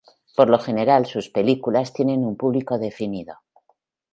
Por lo general sus películas tienen un público definido.